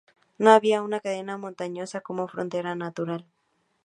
No había una cadena montañosa como frontera natural.